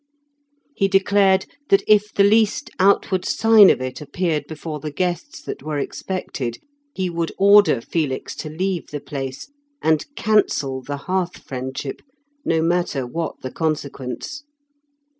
He declared that if the least outward sign of it appeared before the guests that were expected, he would order Felix to leave the place, and cancel the hearth friendship, no matter what the consequence.